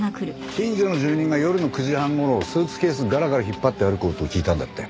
近所の住民が夜の９時半頃スーツケースガラガラ引っ張って歩く音を聞いたんだって。